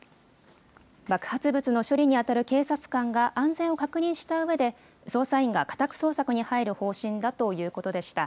爆発物の処理に当たる警察官が安全を確認したうえで、捜査員が家宅捜索に入る方針だということでした。